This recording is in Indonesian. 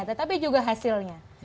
tetapi juga hasilnya